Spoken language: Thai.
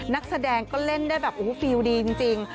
นักแสดงก็เล่นได้แบบโอ้โหฟิลดีจริง